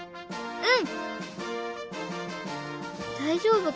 うん！